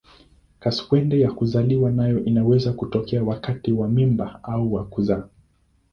Kaswende ya kuzaliwa nayo inaweza kutokea wakati wa mimba au wa kuzaa.